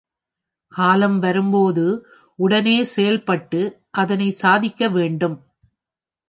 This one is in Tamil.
காலம் வரும்போது உடனே செயல்பட்டு அதனைச் சாதிக்க வேண்டும்.